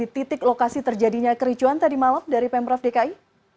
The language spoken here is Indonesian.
terjadinya kericuan tadi malam dari pemprov dki